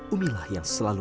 umi lah yang selalu